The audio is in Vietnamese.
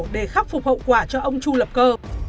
để khắc phục hậu quả cho ông chu lập cơ